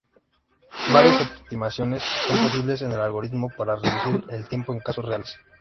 Varias optimizaciones son posibles en el algoritmo para reducir el tiempo en casos reales.